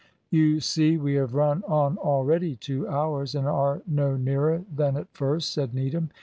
"You see, we have run on already two hours, and are no nearer than at first," said Needham.